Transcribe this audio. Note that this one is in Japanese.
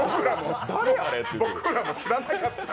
僕らも知らなかった。